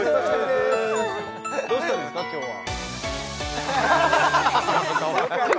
でーすどうしたんですか今日は？